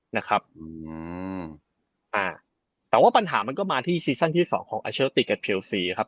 นะครับอืมอ่าแต่ว่าปัญหามันก็มาที่ซีซั่นที่สองของอัลเชอร์ติกับเชลซีครับ